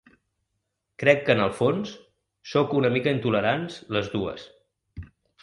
Crec que en el fons, sóc una mica intolerants les dues.